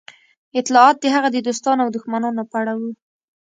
اطلاعات د هغه د دوستانو او دښمنانو په اړه وو